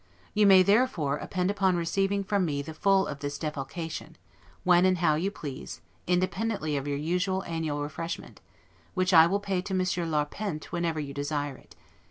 You may, therefore, depend upon receiving from me the full of this defalcation, when and how you please, independently of your usual annual refreshment, which I will pay to Monsieur Larpent, whenever you desire it.